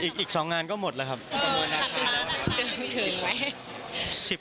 อีก๒งานก็หมดแล้วครับ